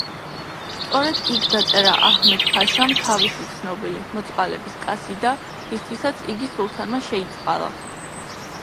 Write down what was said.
სწორედ იქ დაწერა აჰმედ-ფაშამ თავისი ცნობილი „მოწყალების კასიდა“, რისთვისაც იგი სულთანმა შეიწყალა.